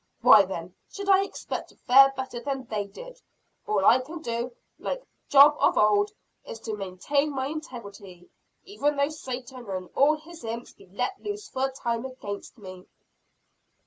Why then, should I expect to fare better than they did? All I can do, like Job of old, is to maintain my integrity even though Satan and all his imps be let loose for a time against me."